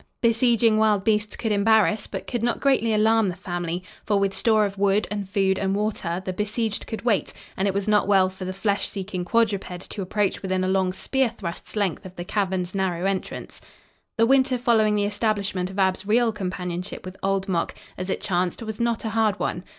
Besieging wild beasts could embarrass but could not greatly alarm the family, for, with store of wood and food and water, the besieged could wait, and it was not well for the flesh seeking quadruped to approach within a long spear thrust's length of the cavern's narrow entrance. The winter following the establishment of Ab's real companionship with Old Mok, as it chanced, was not a hard one.